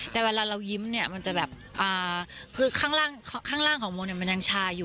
แต่เวลาเรายิ้มเนี่ยมันจะแบบคือข้างล่างของโมเนี่ยมันยังชาอยู่